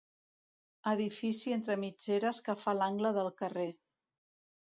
Edifici entre mitgeres que fa l'angle del carrer.